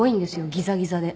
ギザギザで。